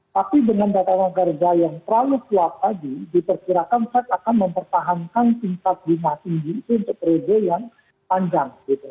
tapi dengan data pekerja yang terlalu kuat tadi diperkirakan fed akan mempertahankan tingkat bunga tinggi itu untuk reze yang panjang